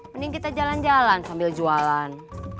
mending kita jalan jalan sambil jualan